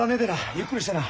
ゆっくりしてな。